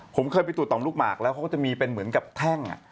ผมเคยไปตรวจต่อมลูกหมากแล้วเขาก็จะมีเป็นเหมือนกับแท่ง